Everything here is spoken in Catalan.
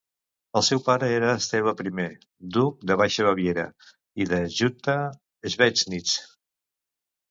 El seu pare era Esteve I, duc de Baixa Baviera i de Jutta Schweidnitz.